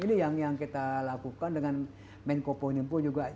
itu yang kita lakukan dengan menko ponyempo juga